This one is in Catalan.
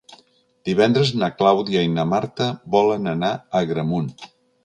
Divendres na Clàudia i na Marta volen anar a Agramunt.